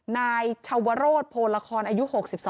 นายชาวโรธโพละครอายุ๖๒